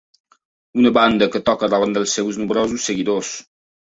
Una banda que toca davant dels seus nombrosos seguidors